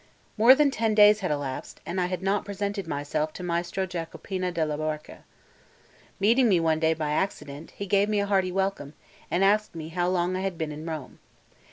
More than ten days had elapsed, and I had not presented myself to Maestro Giacopino della Barca. Meeting me one day by accident, he gave me a hearty welcome, and asked me how long I had been in Rome.